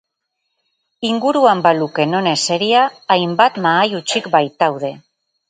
Inguruan baluke non eseria, hainbat mahai hutsik baitaude.